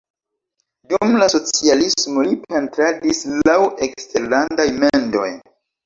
Dum la socialismo li pentradis laŭ eksterlandaj mendoj.